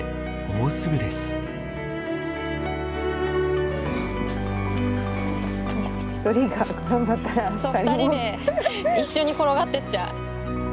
そう２人で一緒に転がってっちゃう。